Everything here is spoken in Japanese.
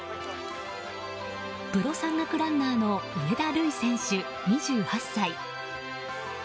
プロ山岳ランナーの上田瑠偉選手、２８歳。